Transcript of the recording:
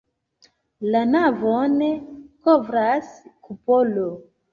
La navon kovras kupolo.